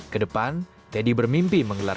kedepan teddy bermimpi menggelar